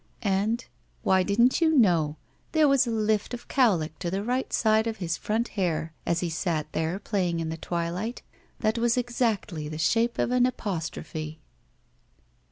And — ^why, didn't you know? — there was a lift of cowlick to the right side of his front hair, as he sat there playing in the twilight, that was exactly the shape of an apostrophe!